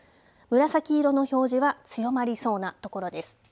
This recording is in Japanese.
紫色の表示は強まりそうな所です。